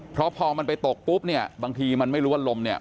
เพราะพอมันไปตกปุ๊บเนี่ยบางทีมันไม่รู้ว่าลมเนี่ย